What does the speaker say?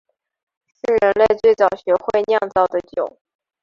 是人类最早学会酿造的酒。